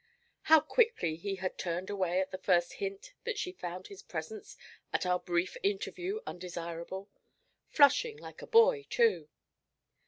How quickly he had turned away at the first hint that she found his presence at our brief interview undesirable, flushing like a boy, too!